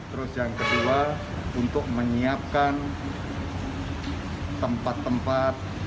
terus yang kedua untuk menyiapkan tempat tempat